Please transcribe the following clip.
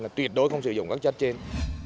là tuyệt đối không sử dụng các chất trên